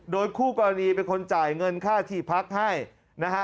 โดยคู่กรณีเป็นคนจ่ายเงินค่าที่พักให้นะฮะ